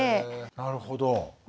なるほど。